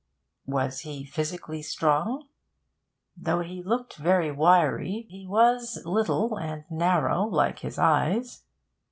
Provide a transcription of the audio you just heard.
Was he physically strong? Though he looked very wiry, he was little and narrow, like his eyes.